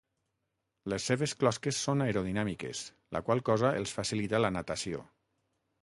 Les seves closques són aerodinàmiques la qual cosa els facilita la natació.